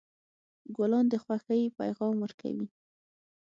ګلان د خوښۍ پیغام ورکوي.